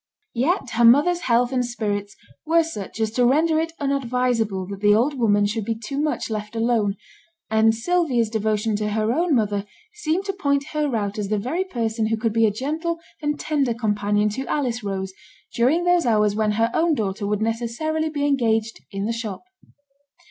Yet her mother's health and spirits were such as to render it unadvisable that the old woman should be too much left alone; and Sylvia's devotion to her own mother seemed to point her out as the very person who could be a gentle and tender companion to Alice Rose during those hours when her own daughter would necessarily be engaged in the shop.